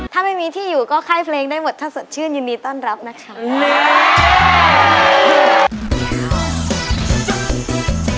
ถ้าไม่มีที่อยู่ก็ค่ายเพลงได้หมดถ้าสดชื่นยินดีต้อนรับนะครับ